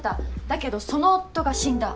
だけどその夫が死んだ。